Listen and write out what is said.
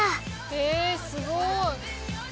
えすごい。